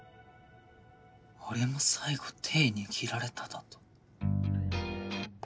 「俺も最後手握られた」だと？